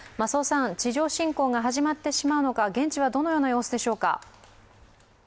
地上侵攻が始まってしまうのか、現地はどのような様子でしょうか。